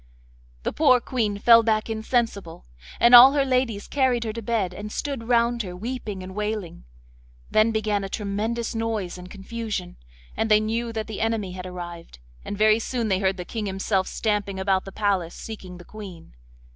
The poor Queen fell back insensible, and all her ladies carried her to bed, and stood round her weeping and wailing. Then began a tremendous noise and confusion, and they knew that the enemy had arrived, and very soon they heard the King himself stamping about the palace seeking the Queen.